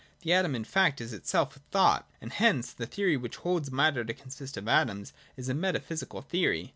The atom, in fact, is itself a thought ; and hence the theory which holds matter to consist of atoms is a metaphysical theory.